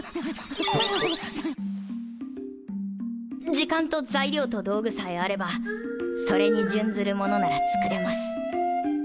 時間と材料と道具さえあればそれに準ずるものなら作れます。